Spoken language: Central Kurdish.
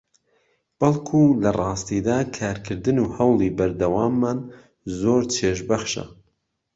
بەڵکو لەڕاستیدا کارکردن و هەوڵی بەردەواممان زۆر چێژبەخشە